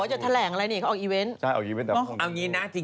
เห็นไปอย่าไหร่